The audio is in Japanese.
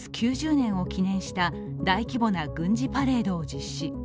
９０年を記念した大規模な軍事パレードを実施。